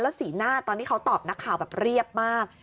สีหน้าตอนที่เขาตอบนักข่าวแบบเรียบมาก